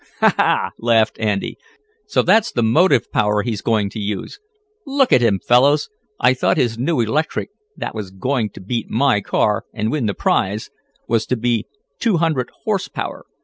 "Ha! Ha!" laughed Andy. "So that's the motive power he's going to use! Look at him, fellows. I thought his new electric, that was going to beat my car, and win the prize, was to be two hundred horse power.